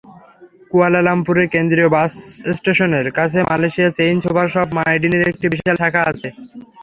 কুয়ালালামপুরের কেন্দ্রীয় বাসস্টেশনের কাছে মালয়েশিয়ার চেইন সুপারশপ মাইডিনের একটি বিশাল শাখা আছে।